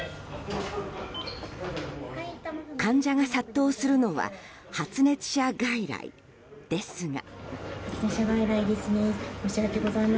患者が殺到するのは発熱者外来ですが。